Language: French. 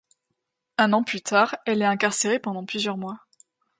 Un an plus tard, elle est incarcérée pendant plusieurs mois.